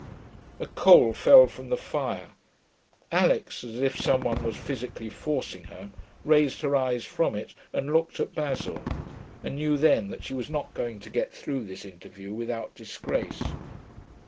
A coal fell from the fire. Alix, as if some one was physically forcing her, raised her eyes from it and looked at Basil, and knew then that she was not going to get through this interview without disgrace.